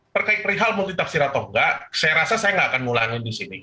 terkait perihal multitafsir atau enggak saya rasa saya nggak akan ngulangin di sini